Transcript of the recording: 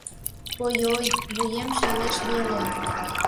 Ой-ой, вуем шелеш веле...